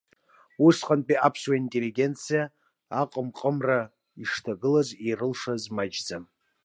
Усҟантәи аԥсуа интеллигенциа аҟымҟыра ишҭагылаз, ирылшаз маҷӡам!